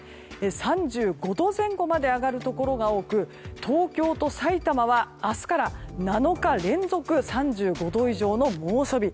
３５度前後まで上がるところが多く東京、さいたまは明日から７日連続３５度以上の猛暑日。